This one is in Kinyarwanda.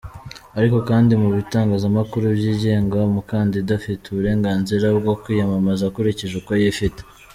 Ariko kandi mu bitangazamakuru byigenga umukandida afite uburenganzira bwo kwiyamamaza akurikije uko yifite.